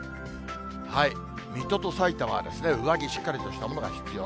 水戸とさいたまですね、上着、しっかりとしたものが必要。